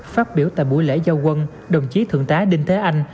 phát biểu tại buổi lễ giao quân đồng chí thượng tá đinh thế anh